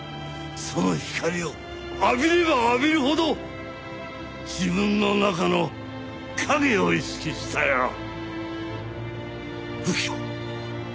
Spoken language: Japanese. その光を浴びれば浴びるほど自分の中の影を意識したよ。